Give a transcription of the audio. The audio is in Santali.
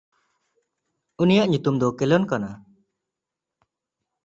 ᱩᱱᱤᱭᱟᱜ ᱧᱩᱛᱩᱢ ᱫᱚ ᱠᱮᱞᱚᱱ ᱠᱟᱱᱟ᱾